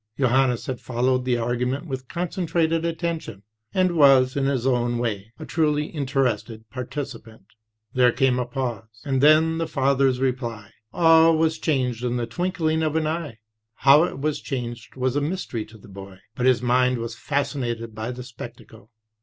Johannes had followed the argument with concentrated attention, and was, in his own way, a truly interested participant. There came a pause, and then the father's reply; all was changed in the twinkling of an eye. How it was changed was a mystery to the boy, but his mind was fascinated by the spectacle.